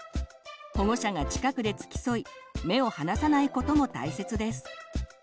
保護者が近くでつきそい目を離さないことも大切です。